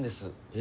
え？